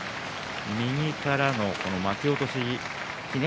右からの巻き落とし。